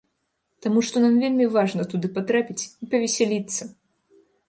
Таму што нам вельмі важна туды патрапіць і павесяліцца.